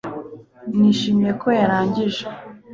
Nishimiye ko yarangije